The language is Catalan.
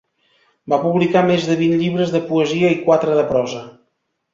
Va publicar més de vint llibres de poesia i quatre de prosa.